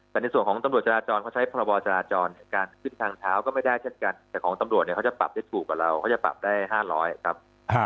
แต่ในส่วนของตำรวจจราจรเขาใช้พรบจราจรการขึ้นทางเท้าก็ไม่ได้เช่นกันแต่ของตำรวจเนี่ยเขาจะปรับได้ถูกกว่าเราเขาจะปรับได้๕๐๐ครับ